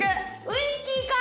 ウイスキーか。